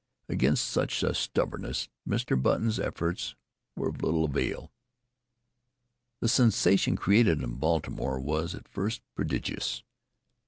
Against such a stubbornness Mr. Button's efforts were of little avail. The sensation created in Baltimore was, at first, prodigious.